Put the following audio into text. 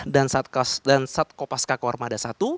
dansat kopaska kormada i